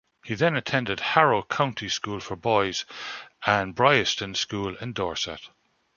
He then attended Harrow County School for Boys and Bryanston School in Dorset.